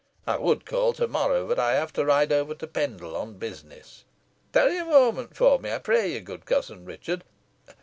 I would call to morrow, but I have to ride over to Pendle on business. Tarry a moment for me, I pray you, good cousin Richard.